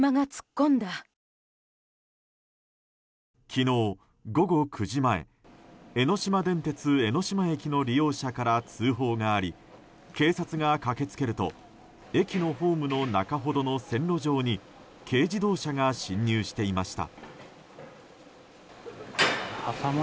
昨日午後９時前江ノ島電鉄江ノ島駅の利用者から通報があり、警察が駆け付けると駅のホームの中ほどの線路上に軽自動車が進入していました。